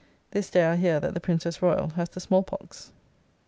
This day I hear that the Princess Royal has the small pox.